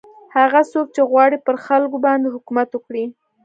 هغه څوک چې غواړي پر خلکو باندې حکومت وکړي.